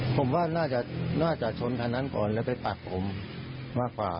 ผมว่าน่าจะน่าจะจนกันอันก่อนแล้วก็ปลัดผมมากกว่า